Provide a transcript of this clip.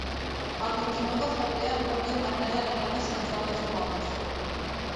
El vint-i-nou de febrer en Roc i en Manel aniran a Sant Joan les Fonts.